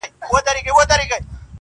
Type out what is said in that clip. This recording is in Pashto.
شته من هم له بدبویي سره عادت سو -